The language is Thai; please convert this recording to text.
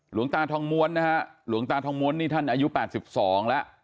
หลวงตาทองม้วนนะฮะหลวงตาทองม้วนนี่ท่านอายุ๘๒แล้ว